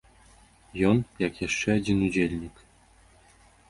Ён, як яшчэ адзін удзельнік.